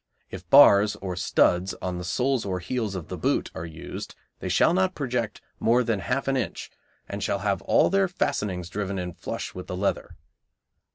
If bars or studs on the soles or heels of the boot are used they shall not project more than half an inch, and shall have all their fastenings driven in flush with the leather.